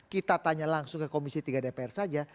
kita tanya langsung ke komisi tiga dpr saja